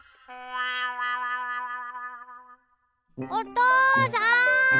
おとうさん！